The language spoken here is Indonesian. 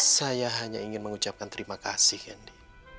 saya hanya ingin mengucapkan terima kasih hendy